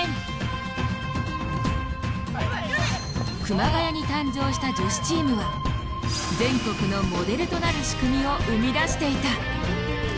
熊谷に誕生した女子チームは全国のモデルとなる仕組みを生み出していた。